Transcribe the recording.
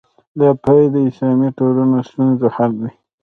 دا پیل د اسلامي ټولنو ستونزو حل دی.